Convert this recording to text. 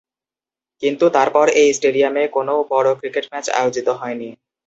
কিন্তু তার পর এই স্টেডিয়ামে কোনও বড়ো ক্রিকেট ম্যাচ আয়োজিত হয়নি।